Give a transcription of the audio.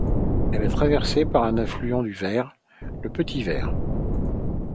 Elle est traversée par un affluent du Vair, le Petit Vair.